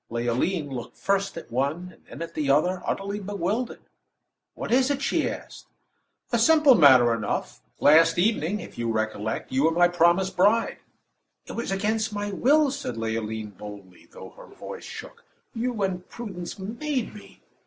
Leoline looked first at one, and then at the other, utterly bewildered. "What is it?" she asked. "A simple matter enough. Last evening, if you recollect, you were my promised bride." "It was against my will," said Leoline, boldly, though her voice shook, "You and Prudence made me."